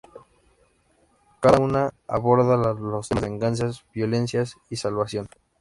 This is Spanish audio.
Cada una aborda los temas de venganza, violencia y salvación.